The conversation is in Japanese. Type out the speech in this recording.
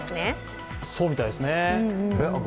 そうみたいですね。